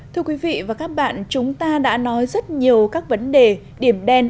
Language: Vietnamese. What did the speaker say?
thưa quý vị và các bạn chúng ta đã nói rất nhiều các vấn đề điểm đen